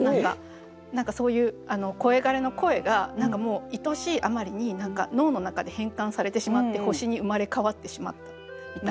何かそういう声枯れの声が何かもういとしいあまりに脳の中で変換されてしまって星に生まれ変わってしまったみたいな。